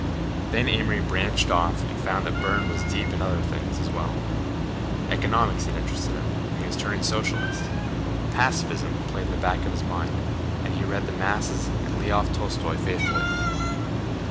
Then Amory branched off and found that Burne was deep in other things as well. Economics had interested him and he was turning socialist. Pacifism played in the back of his mind, and he read The Masses and Lyoff Tolstoi faithfully.